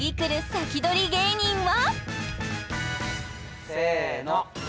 サキドリ芸人は？